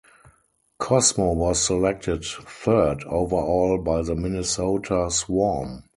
Cosmo was selected third overall by the Minnesota Swarm.